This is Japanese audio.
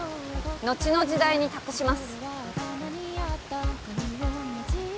後の時代に託します。